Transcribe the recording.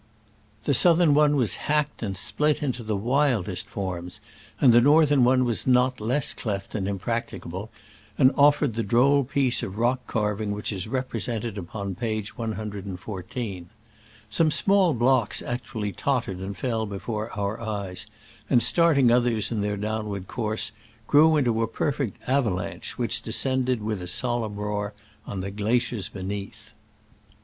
The southern one was hacked and split into the wildest forms, and the northern one was not less cleft and impracticable, and offered PAKT OP THE SOUTHERN RIDGB OF THE CiKANU COKNIBK. the droll piece of rock carving which is represented upon pa^e 1 14. Some small blocks actually tottered and fell before our eyes, and starting others in their downward course, grew into a perfect avalanche, which descended with a sol emn roar on the glaciers beneath.